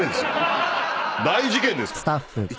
大事件ですから。